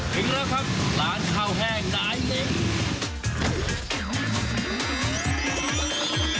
ทิ้งแล้วครับร้านข้าวแห้งไหนเล้ง